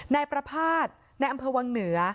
นายประภาษณ์ในอำเภอวังเหนือ